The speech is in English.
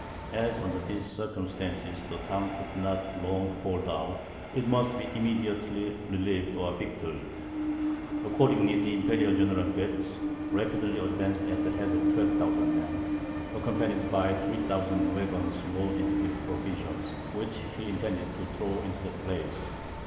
As under these circumstances the town could not long hold out, it must be immediately relieved or victualled. Accordingly, the Imperial General Goetz rapidly advanced at the head of 12,000 men, accompanied by 3000 waggons loaded with provisions, which he intended to throw into the place.